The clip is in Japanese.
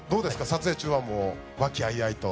撮影中はもう和気あいあいと？